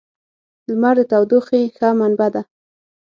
• لمر د تودوخې ښه منبع ده.